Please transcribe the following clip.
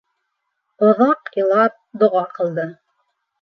Оҙаҡ илап, доға ҡылды.